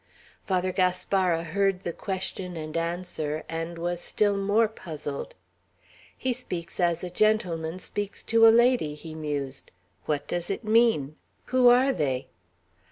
Father Gaspara heard the question and answer, and was still more puzzled. "He speaks as a gentleman speaks to a lady," he mused. "What does it mean? Who are they?"